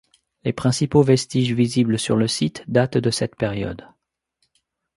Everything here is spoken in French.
Les principaux vestiges visibles sur le site datent de cette période.